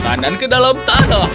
tanan ke dalam tanah